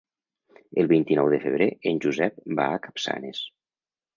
El vint-i-nou de febrer en Josep va a Capçanes.